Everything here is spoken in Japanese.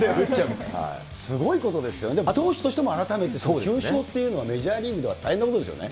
すごいことですよね、投手として改めて、９勝というのは、メジャーリーグでは大変なことですよね。